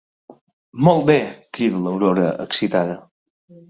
Molt bé! —crida l'Aurora, excitada—.